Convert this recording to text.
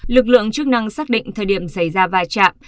lực lượng chức năng xác định thời điểm xảy ra va chạm